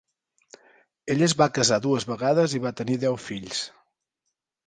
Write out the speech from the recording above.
Ell es va casar dues vegades i va tenir deu fills.